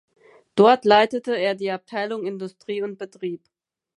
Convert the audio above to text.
Dort leitete er die Abteilung „Industrie und Betrieb“.